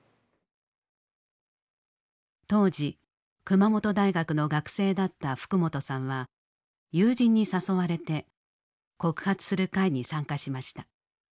当時熊本大学の学生だった福元さんは友人に誘われて「告発する会」に参加しました。